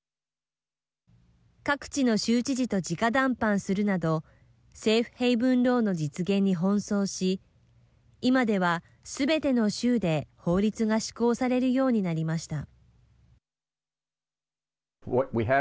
各地の州知事と直談判するなどセーフ・ヘイブン・ローの実現に奔走し今では、すべての州で法律が施行されるようになりました。